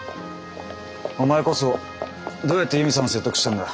お前こそどうやって悠美さんを説得したんだ？